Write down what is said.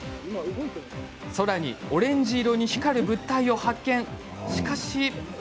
空にオレンジ色に光る物体を発見。